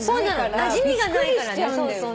なじみがないからね。